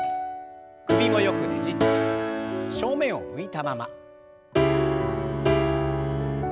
首もよくねじって正面を向いたまま。